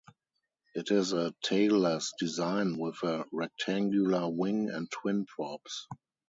It is a tailless design with a rectangular wing and twin props.